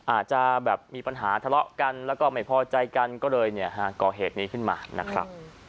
อาจจะมีปัญหาทะเลาะกันและไม่พอใจกันก็เลยก่อเหตุนี้ขึ้นมา